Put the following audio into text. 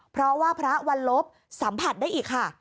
เพราะว่าพระวันลบสัมผัสได้อีกค่ะ